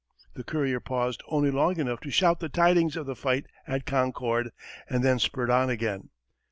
The courier paused only long enough to shout the tidings of the fight at Concord, and then spurred on again.